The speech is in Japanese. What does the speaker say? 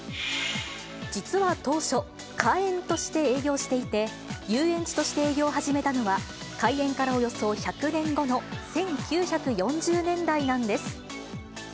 実は当初、花園として営業していて、遊園地として営業を始めたのは、開園からおよそ１００年後の１９４０年代なんです。